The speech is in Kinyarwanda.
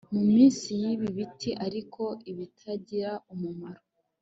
munsi yibi biti, ariko, ibitagira umumaro